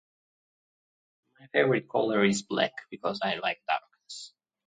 My favorite color is black because I like darkness.